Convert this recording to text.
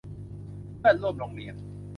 เพื่อนร่วมโรงเรียน